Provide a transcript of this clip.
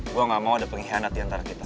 gue gak mau ada pengkhianat diantara kita